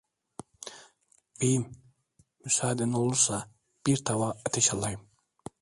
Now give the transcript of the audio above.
Beyim, müsaden olursa bir tava ateş alayım.